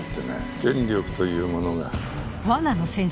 権力というものが。